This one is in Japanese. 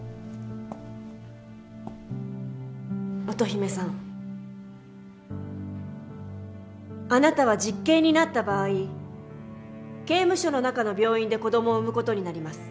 乙姫さんあなたは実刑になった場合刑務所の中の病院で子どもを産む事になります。